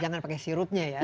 jangan pakai sirupnya ya